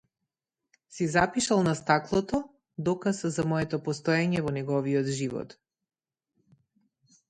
Си запишал на стаклото, доказ за моето постоење во неговиот живот.